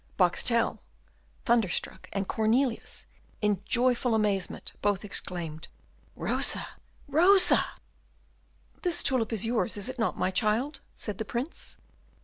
Boxtel, thunderstruck, and Cornelius, in joyful amazement, both exclaimed, "Rosa! Rosa!" "This tulip is yours, is it not, my child?" said the Prince.